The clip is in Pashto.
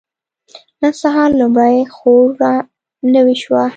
نن سهار لومړۍ خور را نوې شوه.